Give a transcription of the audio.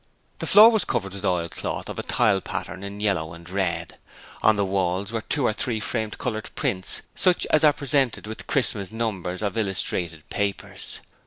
The floor was covered with oilcloth of a tile pattern in yellow and red. On the walls were two or three framed coloured prints such as are presented with Christmas numbers of illustrated papers.